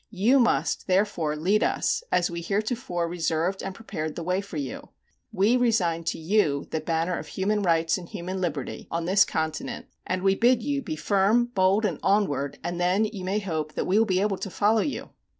You must, therefore, lead us as we heretofore reserved and prepared the way for you. We resign to you the banner of human rights and human liberty, on this continent, and we bid you be firm, bold and onward and then you may hope that we will be able to follow you.